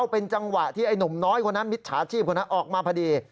เป็นจังหวะที่ไอ้หนุ่มน้อยคนนั้นมิจฉาชีพคนนั้นออกมาพอดี